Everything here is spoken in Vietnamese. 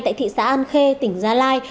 tại thị xã an khê tỉnh gia lai